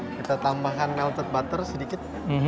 kita tambahkan melted butter sedikit